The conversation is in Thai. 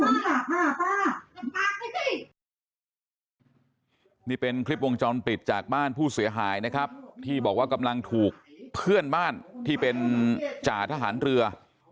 นี่เป็นคลิปวงจรปิดจากบ้านผู้เสียหายนะครับที่บอกว่ากำลังถูกเพื่อนบ้านที่เป็นจ่าทหารเรือ